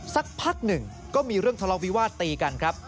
สักพักหนึ่งก็มีเรื่องทะเลาวิวาสตีกันครับ